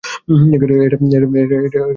এটা কি স্বাভাবিক আচরণ?